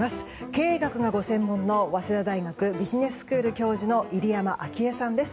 経営学がご専門の早稲田大学ビジネススクール教授の入山章栄さんです。